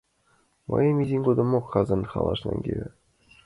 Мӹньым изиэм годымок Хазан халаш нӓнгевы.